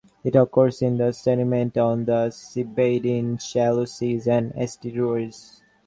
It occurs in the sediment on the seabed in shallow seas and estuaries.